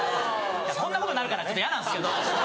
こんなことなるからちょっと嫌なんですけど。